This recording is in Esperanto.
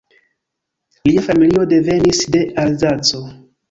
Lia familio devenis de Alzaco.